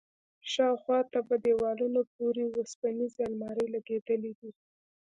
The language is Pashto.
شاوخوا ته په دېوالونو پورې وسپنيزې المارۍ لگېدلي دي.